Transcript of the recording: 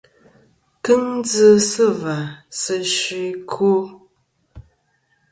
Kɨŋ dzɨ sɨ và sɨ fsi ɨkwo.